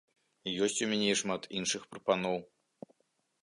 Ёсць у мяне і шмат іншых прапаноў.